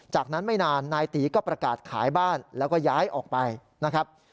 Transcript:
จากนั้นไม่นานนายตีก็ประกาศขายบ้านแล้วก็ย้ายออกไปนะครับ